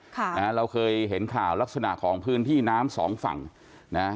ค่ะนะฮะเราเคยเห็นข่าวลักษณะของพื้นที่น้ำสองฝั่งนะฮะ